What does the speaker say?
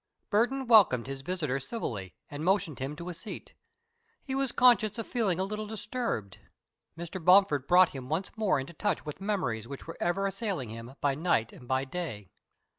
Burton welcomed his visitor civilly and motioned him to a seat. He was conscious of feeling a little disturbed. Mr. Bomford brought him once more into touch with memories which were ever assailing him by night and by day.